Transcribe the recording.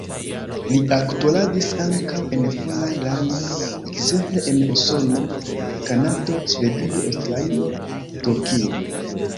Li aktoradis ankaŭ en foraj landoj, ekzemple en Usono, Kanado, Svedio, Aŭstralio, Turkio.